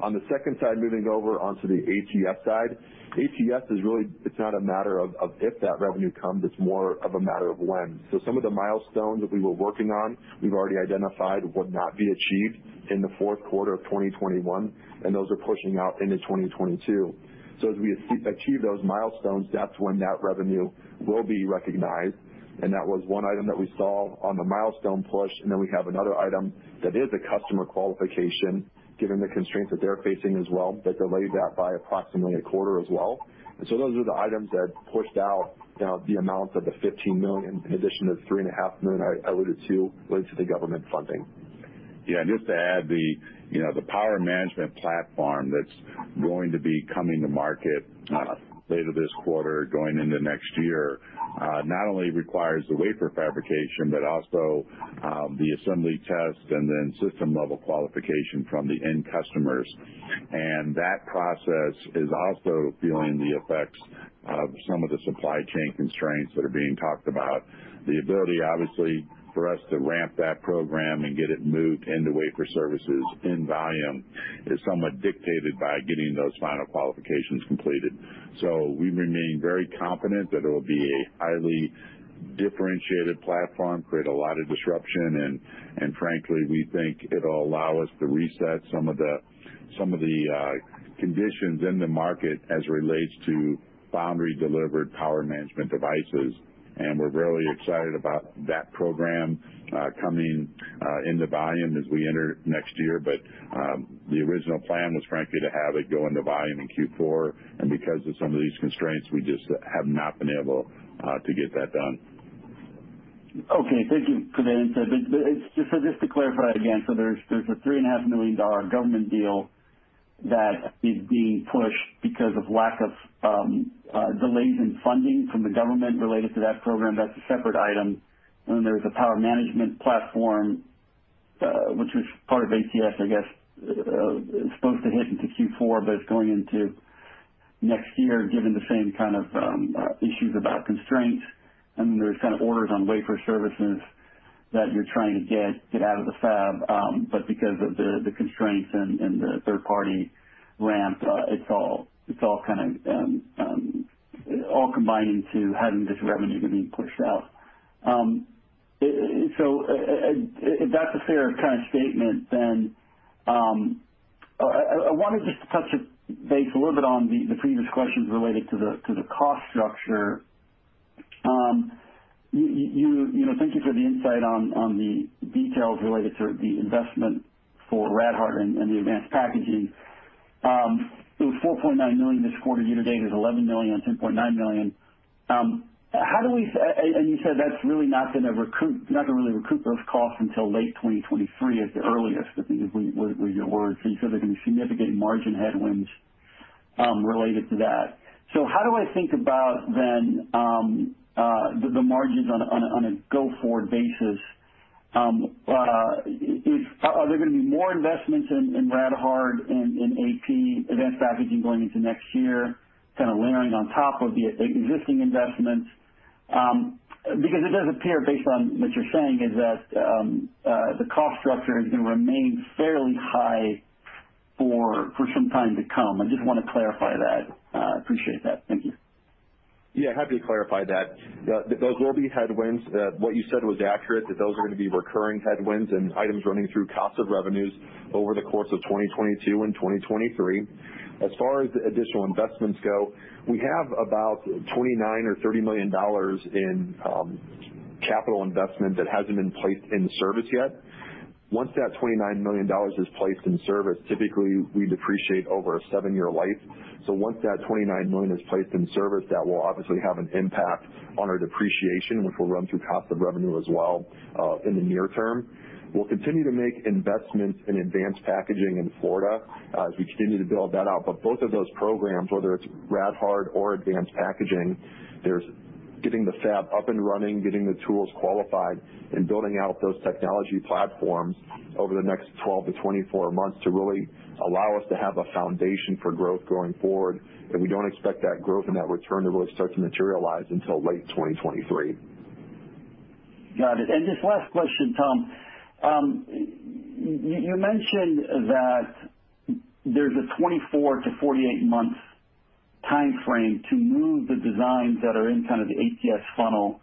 On the second side, moving over onto the ATS side. ATS is really. It's not a matter of if that revenue comes, it's more of a matter of when. Some of the milestones that we were working on, we've already identified would not be achieved in the fourth quarter of 2021, and those are pushing out into 2022. As we achieve those milestones, that's when that revenue will be recognized. That was one item that we saw on the milestone push, and then we have another item that is a customer qualification, given the constraints that they're facing as well, that delayed that by approximately a quarter as well. Those are the items that pushed out, you know, the amount of the $15 million in addition to $3.5 million I alluded to related to the government funding. Yeah, just to add, you know, the power management platform that's going to be coming to market later this quarter, going into next year, not only requires the wafer fabrication, but also the assembly test and then system-level qualification from the end customers. That process is also feeling the effects of some of the supply chain constraints that are being talked about. The ability, obviously, for us to ramp that program and get it moved into Wafer Services in volume is somewhat dictated by getting those final qualifications completed. We remain very confident that it will be a highly differentiated platform, create a lot of disruption, and frankly, we think it'll allow us to reset some of the conditions in the market as it relates to foundry-delivered power management devices. We're really excited about that program, coming into volume as we enter next year. The original plan was frankly to have it go into volume in Q4, and because of some of these constraints, we just have not been able to get that done. Okay. Thank you for that insight. Just to clarify again, so there's a $3.5 million government deal that is being pushed because of delays in funding from the government related to that program. That's a separate item. There's a power management platform, which was part of ATS, I guess, supposed to hit into Q4, but it's going into next year, given the same kind of issues about constraints. There's kind of orders on Wafer Services that you're trying to get out of the fab, but because of the constraints and the third-party ramp, it's all kind of combining to having this revenue being pushed out. If that's a fair kind of statement, then I wanted just to touch base a little bit on the previous questions related to the cost structure. You know, thank you for the insight on the details related to the investment for rad-hard and the advanced packaging. It was $4.9 million this quarter. Year-to-date is $11 million, $10.9 million. You said that's really not gonna accrue those costs until late 2023 at the earliest, I think is what your words. You said there's gonna be significant margin headwinds related to that. How do I think about then the margins on a go-forward basis? Are there gonna be more investments in rad-hard and in AP, advanced packaging going into next year, kind of layering on top of the existing investments? Because it does appear based on what you're saying is that the cost structure is gonna remain fairly high for some time to come. I just wanna clarify that. Appreciate that. Thank you. Yeah, happy to clarify that. Those will be headwinds. What you said was accurate, that those are gonna be recurring headwinds and items running through cost of revenue over the course of 2022 and 2023. As far as additional investments go, we have about $29 million or $30 million in capital investment that hasn't been placed in service yet. Once that $29 million is placed in service, typically we depreciate over a seven-year life. Once that $29 million is placed in service, that will obviously have an impact on our depreciation, which will run through cost of revenue as well, in the near term. We'll continue to make investments in advanced packaging in Florida as we continue to build that out. Both of those programs, whether it's rad-hard or advanced packaging, there's getting the fab up and running, getting the tools qualified, and building out those technology platforms over the next 12-24 months to really allow us to have a foundation for growth going forward. We don't expect that growth and that return to really start to materialize until late 2023. Got it. Just last question, Tom. You mentioned that there's a 24-48 month timeframe to move the designs that are in kind of the ATS funnel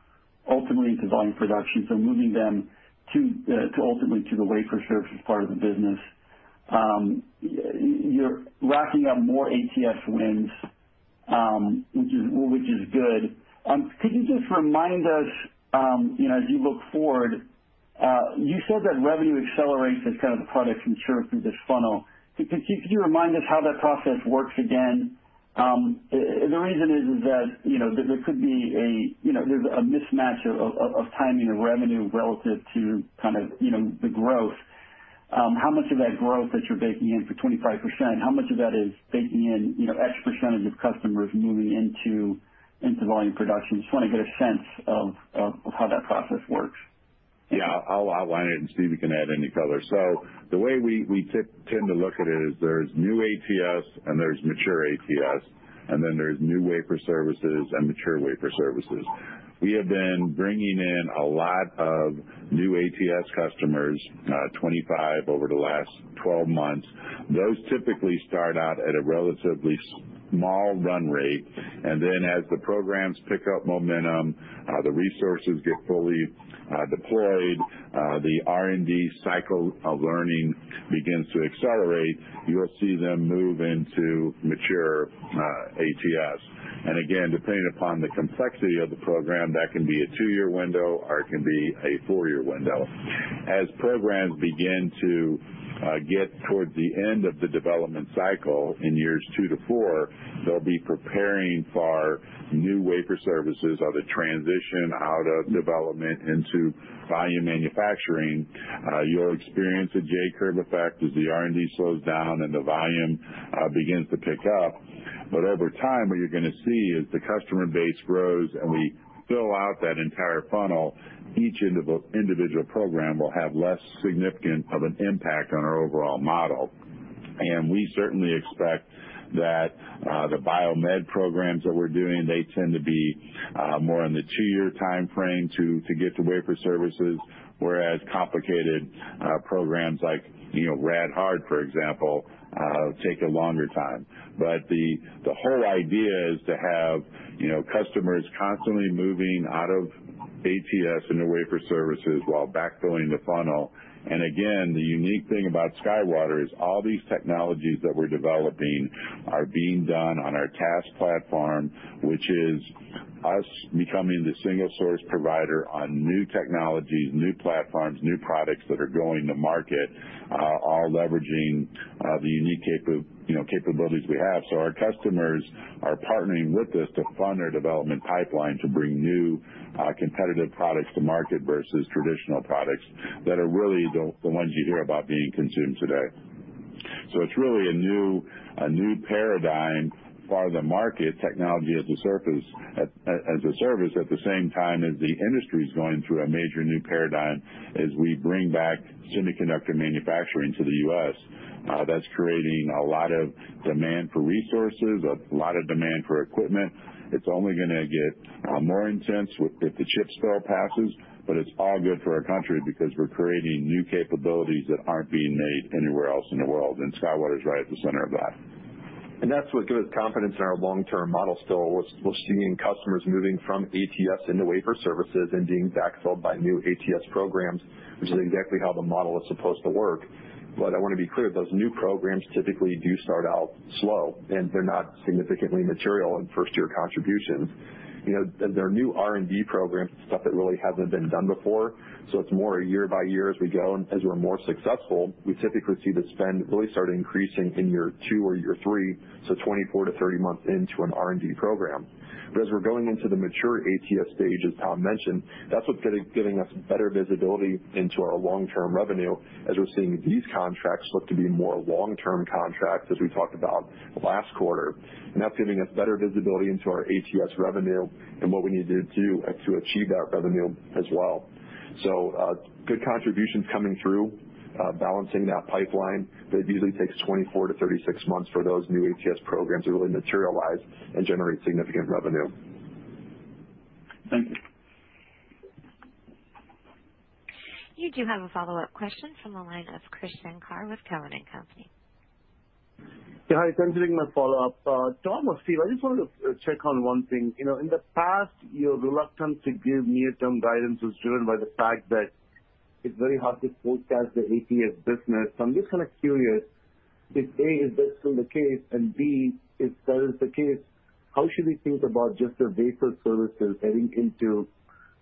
ultimately into volume production, so moving them to ultimately to the Wafer Services part of the business. You're racking up more ATS wins, which is good. Could you just remind us, you know, as you look forward, you said that revenue accelerates as kind of the product can mature through this funnel. Could you remind us how that process works again? The reason is that, you know, there could be a, you know, there's a mismatch of timing of revenue relative to kind of, you know, the growth. How much of that growth that you're baking in for 25%, how much of that is baking in, you know, X percentage of customers moving into volume production? Just wanna get a sense of how that process works. Yeah. I'll outline it, and Steve can add any color. The way we tend to look at it is there's new ATS and there's mature ATS, and then there's new Wafer Services and mature Wafer Services. We have been bringing in a lot of new ATS customers, 25 over the last 12 months. Those typically start out at a relatively small run rate, and then as the programs pick up momentum, the resources get fully deployed, the R&D cycle of learning begins to accelerate, you'll see them move into mature ATS. Again, depending upon the complexity of the program, that can be a two-year window, or it can be a four-year window. As programs begin to get toward the end of the development cycle in years two-four, they'll be preparing for new Wafer Services or the transition out of development into volume manufacturing. You'll experience a J-curve effect as the R&D slows down and the volume begins to pick up. Over time, what you're gonna see is the customer base grows, and we fill out that entire funnel. Each individual program will have less significant of an impact on our overall model. We certainly expect that the biomed programs that we're doing, they tend to be more in the two-year timeframe to get to Wafer Services, whereas complicated programs like, you know, rad-hard, for example, take a longer time. The whole idea is to have, you know, customers constantly moving out of ATS into Wafer Services while backfilling the funnel. Again, the unique thing about SkyWater is all these technologies that we're developing are being done on our TaaS platform, which is us becoming the single source provider on new technologies, new platforms, new products that are going to market, all leveraging the unique, you know, capabilities we have. Our customers are partnering with us to fund our development pipeline to bring new competitive products to market versus traditional products that are really the ones you hear about being consumed today. It's really a new paradigm for the market, Technology as a Service at the same time as the industry's going through a major new paradigm as we bring back semiconductor manufacturing to the U.S. That's creating a lot of demand for resources, a lot of demand for equipment. It's only gonna get more intense with the CHIPS Act passes, but it's all good for our country because we're creating new capabilities that aren't being made anywhere else in the world, and SkyWater is right at the center of that. That's what gives confidence in our long-term model still. We're seeing customers moving from ATS into Wafer Services and being backfilled by new ATS programs, which is exactly how the model is supposed to work. I wanna be clear, those new programs typically do start out slow, and they're not significantly material in first year contributions. You know, they're new R&D programs, stuff that really hasn't been done before, so it's more a year by year as we go. As we're more successful, we typically see the spend really start increasing in year two or year three, so 24-30 months into an R&D program. As we're going into the mature ATS stage, as Tom mentioned, that's what's giving us better visibility into our long-term revenue as we're seeing these contracts look to be more long-term contracts as we talked about last quarter. That's giving us better visibility into our ATS revenue and what we need to do to achieve that revenue as well. Good contributions coming through, balancing that pipeline, but it usually takes 24-36 months for those new ATS programs to really materialize and generate significant revenue. Thank you. You do have a follow-up question from the line of Krish Sankar with Cowen and Company. Yeah. Hi, thanks for taking my follow-up. Tom or Steve, I just wanted to check on one thing. You know, in the past, your reluctance to give near-term guidance was driven by the fact that it's very hard to forecast the ATS business. I'm just kind of curious If A, is that still the case, and B, if that is the case, how should we think about just the Wafer Services heading into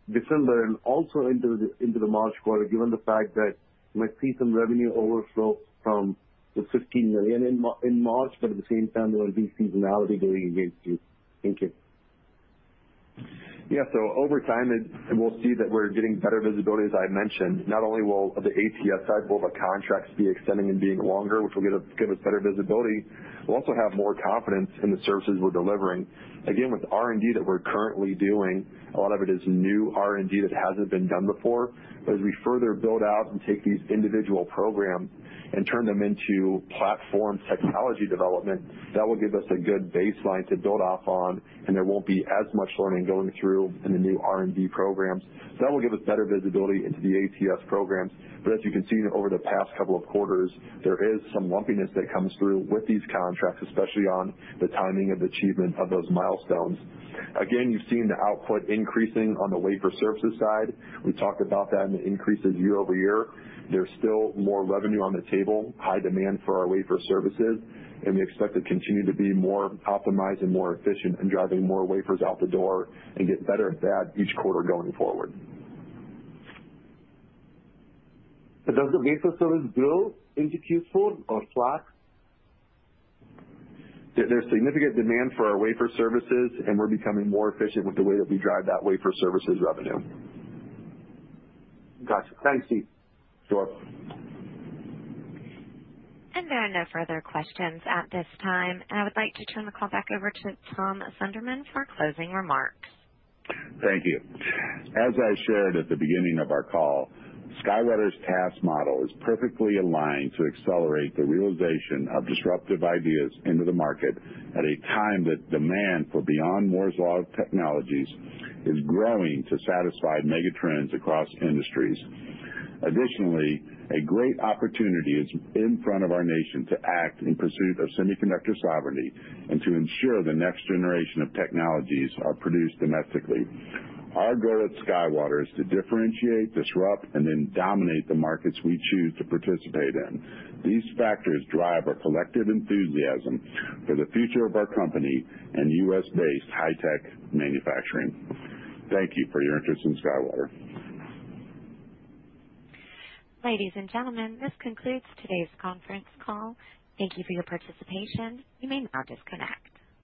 December and also into the March quarter, given the fact that you might see some revenue overflow from the $15 million in March, but at the same time, there will be seasonality going against you? Thank you. Yeah. Over time, and we'll see that we're getting better visibility, as I mentioned. Not only will the ATS side, will the contracts be extending and being longer, which will give us better visibility, we'll also have more confidence in the services we're delivering. Again, with the R&D that we're currently doing, a lot of it is new R&D that hasn't been done before. As we further build out and take these individual programs and turn them into platform technology development, that will give us a good baseline to build off on, and there won't be as much learning going through in the new R&D programs. That will give us better visibility into the ATS programs. As you can see over the past couple of quarters, there is some lumpiness that comes through with these contracts, especially on the timing of achievement of those milestones. Again, you've seen the output increasing on the Wafer Services side. We talked about that, and it increases year-over-year. There's still more revenue on the table, high demand for our Wafer Services, and we expect to continue to be more optimized and more efficient in driving more wafers out the door and get better at that each quarter going forward. Does the Wafer Services grow into Q4 or flat? There's significant demand for our Wafer Services, and we're becoming more efficient with the way that we drive that Wafer Services revenue. Got you. Thanks, Steve. Sure. There are no further questions at this time, and I would like to turn the call back over to Tom Sonderman for closing remarks. Thank you. As I shared at the beginning of our call, SkyWater's TaaS model is perfectly aligned to accelerate the realization of disruptive ideas into the market at a time that demand for beyond Moore's Law technologies is growing to satisfy mega trends across industries. Additionally, a great opportunity is in front of our nation to act in pursuit of semiconductor sovereignty and to ensure the next generation of technologies are produced domestically. Our goal at SkyWater is to differentiate, disrupt, and then dominate the markets we choose to participate in. These factors drive our collective enthusiasm for the future of our company and U.S.-based high-tech manufacturing. Thank you for your interest in SkyWater. Ladies and gentlemen, this concludes today's conference call. Thank you for your participation. You may now disconnect.